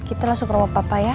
kita langsung ke rumah papa ya